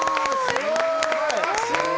すごい！